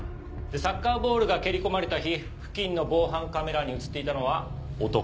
サッカーボールが蹴り込まれた日付近の防犯カメラに写っていたのは男。